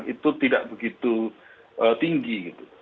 itu tidak begitu tinggi